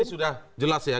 ini sudah jelas ya